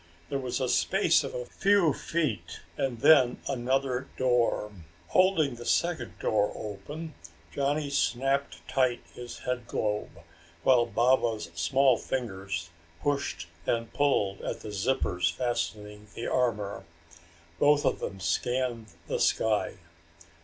There was a space of a few feet and then another door. Holding the second door open, Johnny snapped tight his headglobe, while Baba's small fingers pushed and pulled at the zippers fastening the armor. Both of them scanned the sky.